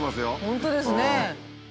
本当ですね。